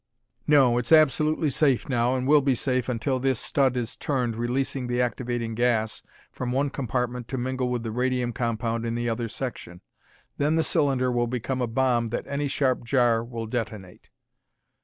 "No, it's absolutely safe now, and will be safe until this stud is turned, releasing the activating gas from one compartment to mingle with the radium compound in the other section. Then the cylinder will become a bomb that any sharp jar will detonate."